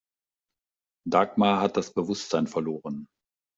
Dagmar hat das Bewusstsein verloren.